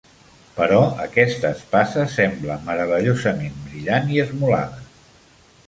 Però aquesta espasa sembla meravellosament brillant i esmolada.